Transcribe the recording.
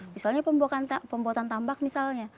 misalnya pembuatan tambak misalnya